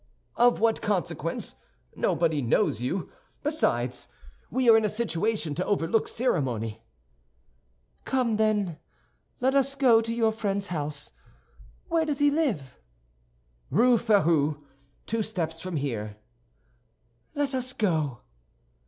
"Of what consequence? Nobody knows you. Besides, we are in a situation to overlook ceremony." "Come, then, let us go to your friend's house. Where does he live?" "Rue Férou, two steps from here." "Let us go!"